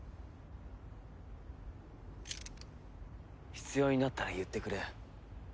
必要になったら言ってくれ。